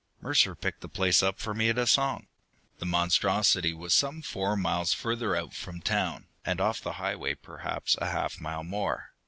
Mercer picked the place up for me at a song. The Monstrosity was some four miles further out from town, and off the highway perhaps a half mile more.